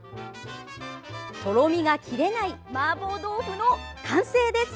とろみがきれないマーボー豆腐の完成です。